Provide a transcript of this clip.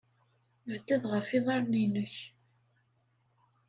Bded ɣef yiḍarren-nnek.